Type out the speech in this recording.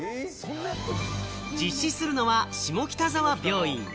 実施するのは下北沢病院。